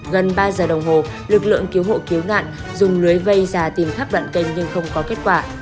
gần ba giờ đồng hồ lực lượng cứu hộ cứu nạn dùng lưới vây ra tìm khắp đoạn kênh nhưng không có kết quả